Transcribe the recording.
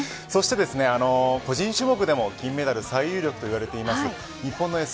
そして、個人種目でも金メダル最有力といわれる日本の